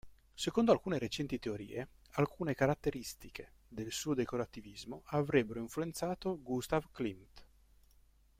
Secondo alcune recenti teorie, alcune caratteristiche del suo decorativismo avrebbero influenzato Gustav Klimt.